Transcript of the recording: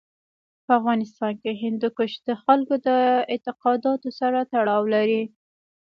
په افغانستان کې هندوکش د خلکو د اعتقاداتو سره تړاو لري.